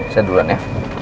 saya duluan ya